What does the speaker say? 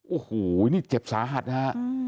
โอ้โหนี่เจ็บสาหัสนะฮะ